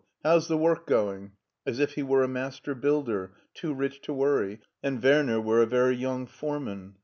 how's the work going? " as if he was a master builder, too rich to worry, and Werner were a very young foreman.